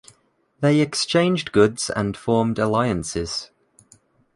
They exchanged goods and formed alliances.